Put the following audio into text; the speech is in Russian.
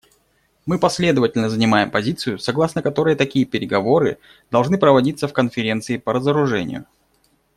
Мы последовательно занимаем позицию, согласно которой такие переговоры должны проводиться в Конференции по разоружению.